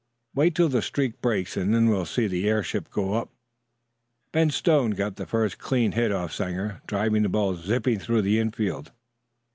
"Wait till the streak breaks, and then we'll see the airship go up." Ben Stone got the first clean hit off Sanger, driving the ball zipping through the infield.